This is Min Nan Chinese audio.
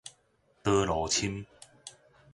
刀路深